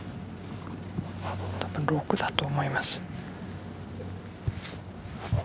６だと思います。